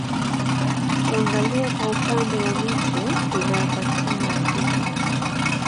Tuangalie kwa upande wa mito inayopatikana Afrika